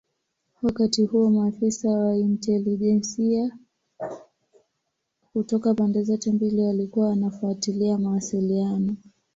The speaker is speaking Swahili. Wakati huo maafisa wa intelijensia kutoka pande zote mbili walikuwa wanafuatilia mawasiliano